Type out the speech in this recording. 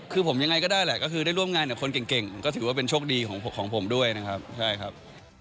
คือผมยังไงก็ได้แหละก็คือได้ร่วมงานกับคนเก่งก็ถือว่าเป็นโชคดีของผมด้วยนะครับใช่ครับ